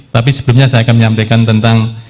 tapi sebelumnya saya akan menyampaikan tentang